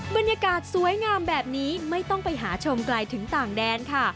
บรรยากาศสวยงามแบบนี้ไม่ต้องไปหาชมไกลถึงต่างแดนค่ะ